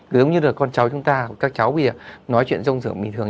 giống như là con cháu chúng ta các cháu bây giờ nói chuyện rông dưỡng bình thường